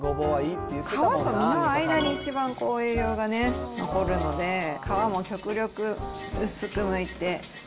皮と身の間に、一番栄養がね、残るので、皮も極力、薄くむいて。